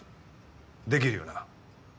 できるよな？